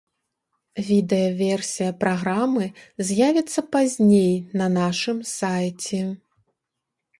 Відэаверсія праграмы з'явіцца пазней на нашым сайце.